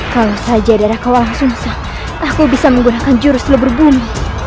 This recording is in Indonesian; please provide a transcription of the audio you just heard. kalau saja darah kau langsung sah aku bisa menggunakan jurus lebur bumi